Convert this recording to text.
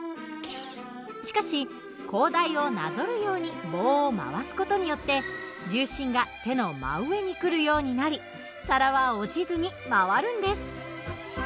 しかし高台をなぞるように棒を回す事によって重心が手の真上に来るようになり皿は落ちずに回るんです。